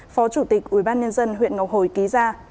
phó chủ tịch ủy ban nhân dân huyện ngọc hồi ký ra